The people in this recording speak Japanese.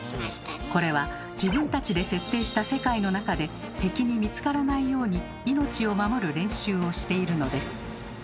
これは自分たちで設定した世界の中で敵に見つからないように命を守る練習をしているのです。